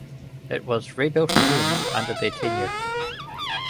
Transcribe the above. It was rebuilt again under their tenure.